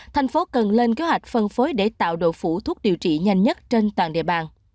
thành phố cần lên kế hoạch phân phối để tạo độ phủ thuốc điều trị nhanh nhất trên toàn địa bàn